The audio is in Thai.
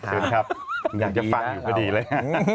เชิญครับอยากจะฟังอยู่พอดีเลยฮะ